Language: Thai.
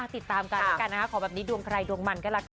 ติดตามกันแล้วกันนะคะขอแบบนี้ดวงใครดวงมันก็ละกัน